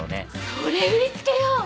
それ売りつけよう。